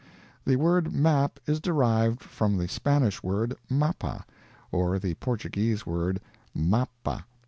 The word map is derived from the Spanish word "mapa," or the Portuguese word "mappa."